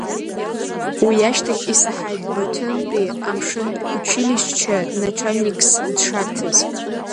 Уи ашьҭахь исаҳаит Баҭымтәи амшынтә училишьче начальникс дшарҭаз.